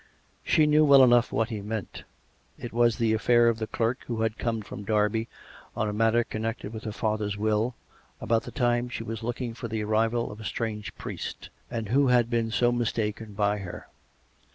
She knew well enough what he meant. It was the affair of the clerk who had come from Derby on a matter con nected with her father's will about the time she was looking for the arrival of a strange priest, and who had been so mis taken by her.